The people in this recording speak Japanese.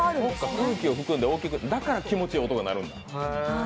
空気を含んで大きく、だから気持ちいい音がするんだ。